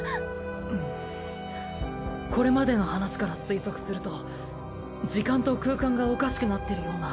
うんこれまでの話から推測すると時間と空間がおかしくなってるような。